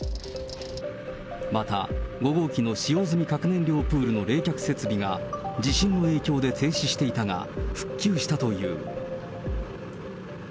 また、５号機の使用済み核燃料プールの冷却設備が地震の影響で停止していたが、復旧したという。